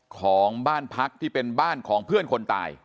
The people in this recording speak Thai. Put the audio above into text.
ของบ้านพักที่เป็นบ้านของเพื่อนคนตาย